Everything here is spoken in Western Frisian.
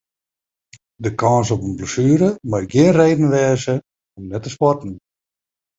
De kâns op in blessuere mei gjin reden wêze om net te sporten.